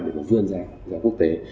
để nó vươn ra quốc tế